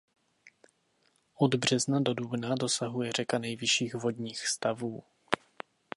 Od března do dubna dosahuje řeka nejvyšších vodních stavů.